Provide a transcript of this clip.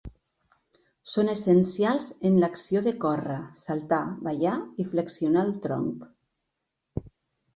Són essencials en l'acció de córrer, saltar, ballar i flexionar el tronc.